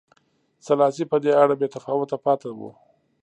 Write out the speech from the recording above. سلاسي په دې اړه بې تفاوته پاتې و.